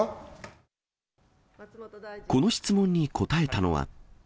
この質問に答えたのは。